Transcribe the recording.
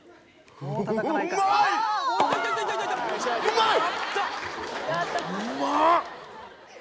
うまい！